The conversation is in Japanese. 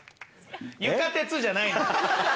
ゆかてつじゃないの！